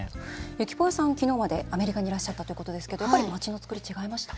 ゆきぽよさん、昨日までアメリカにいらっしゃったということですけど、やっぱり街のつくり、違いました？